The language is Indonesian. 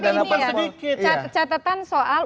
dana apa catatan soal